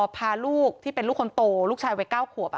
พาลูกที่เป็นลูกคนโตลูกชายวัย๙ขวบ